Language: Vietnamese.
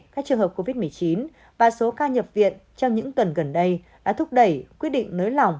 các trường hợp covid một mươi chín và số ca nhập viện trong những tuần gần đây đã thúc đẩy quyết định nới lỏng